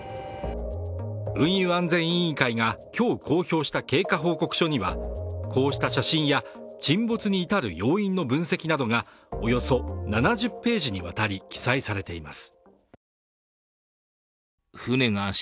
運輸安全委員会が今日公表した経過報告書にはこうした写真や沈没に至る要因の分析などがおよそ７０ページにわたり記載されています。